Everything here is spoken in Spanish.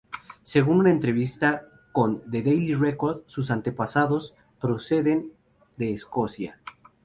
Según una entrevista con "The Daily Record", sus antepasados proceden de Escocia.